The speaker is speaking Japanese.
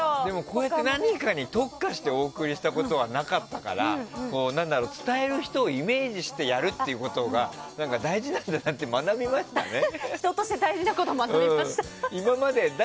こうやって何かに特化してお送りしたことはなかったから伝える人をイメージしてやるっていうことが大事なんだなって学びましたね。